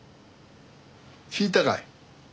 聞いたかい？